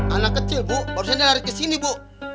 anak kecil bu barusan dia lari kesini bu